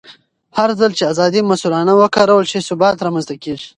هرځل چې ازادي مسؤلانه وکارول شي، ثبات رامنځته کېږي.